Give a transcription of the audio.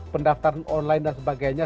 pendaftaran online dan sebagainya